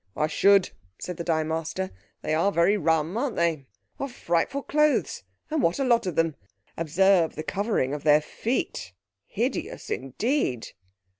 "I should," said the dye master. "They are very rum, aren't they? What frightful clothes, and what a lot of them! Observe the covering of their feet. Hideous indeed."